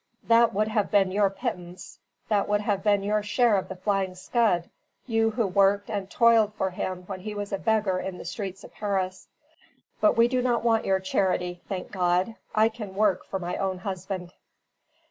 That would have been your pittance, that would have been your share of the Flying Scud you who worked and toiled for him when he was a beggar in the streets of Paris. But we do not want your charity; thank God, I can work for my own husband!